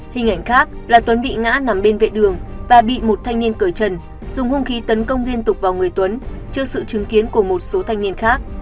hình ảnh khác là tuấn bị ngã nằm bên vệ đường và bị một thanh niên cởi chân dùng hung khí tấn công liên tục vào người tuấn trước sự chứng kiến của một số thanh niên khác